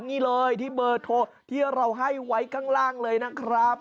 นี่เลยที่เบอร์โทรที่เราให้ไว้ข้างล่างเลยนะครับ